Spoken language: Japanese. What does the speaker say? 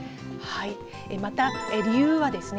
また、理由はですね